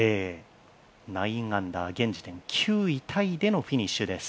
９アンダー、現時点で９位タイのフィニッシュです。